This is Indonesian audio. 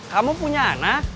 kamu punya anak